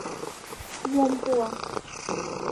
— Мом пуа?